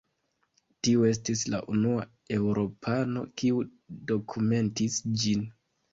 Tiu estis la unua eŭropano kiu dokumentis ĝin.